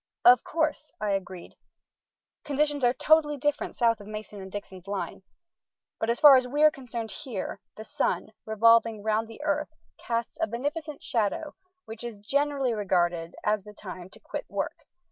"Of course," I agreed, "conditions are totally different south of Mason and Dixon's line. But as far as we are concerned here, the sun, revolving round the earth, casts a beneficent shadow, which is generally regarded as the time to quit work.